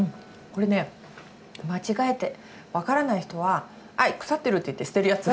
これね間違えて分からない人ははい腐ってるって言って捨てるやつ。